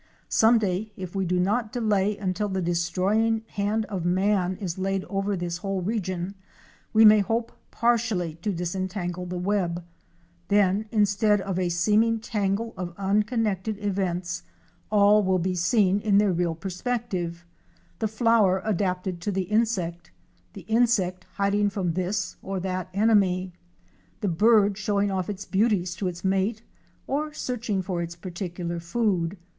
Some day, if we do not delay until the destroying hand of man is laid over this whole region, we may hope partially to disentangle the web. Then, instead of a seeming tangle of unconnected events, all will be JUNGLE LIFE AT AREMU. 349 seen in their real perspective: The flower adapted to the insect; the insect hiding from this or that enemy; the bird showing off its beauties to its mate, or searching for its particular food.